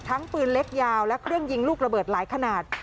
ปืนเล็กยาวและเครื่องยิงลูกระเบิดหลายขนาด